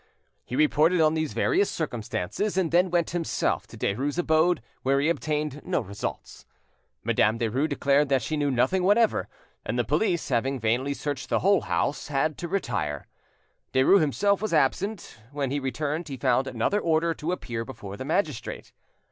He reported on these various circumstances, and then went himself to Derues' abode, where he obtained no results. Madame Derues declared that she knew nothing whatever, and the police, having vainly searched the whole house, had to retire. Derues himself was absent; when he returned he found another order to appear before the magistrate.